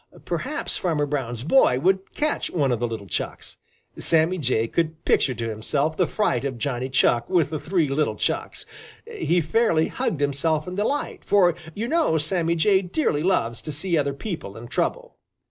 Perhaps Farmer Brown's boy would catch one of the little Chucks! Sammy Jay could picture to himself the fright of Johnny Chuck and the three little Chucks. He fairly hugged himself in delight, for you know Sammy Jay dearly loves to see other people in trouble.